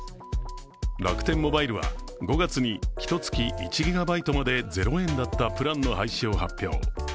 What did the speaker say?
楽天モバイルは５月にひと月１ＧＢまで０円だったプランの廃止を発表。